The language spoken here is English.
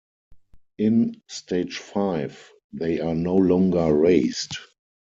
In stage five, they are no longer raised.